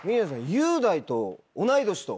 雄大と同い年と。